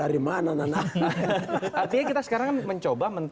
artinya kita sekarang mencoba